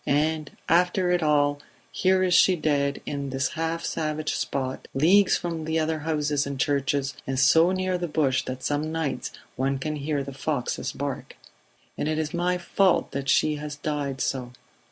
And, after it all, here is she dead in this half savage spot, leagues from other houses and churches, and so near the bush that some nights one can hear the foxes bark. And it is my fault that she has died so